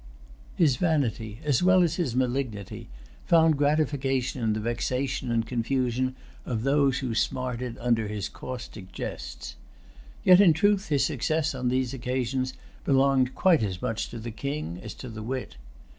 [Pg 282] His vanity, as well as his malignity, found gratification in the vexation and confusion of those who smarted under his caustic jests. Yet in truth his success on these occasions belonged quite as much to the king as to the wit.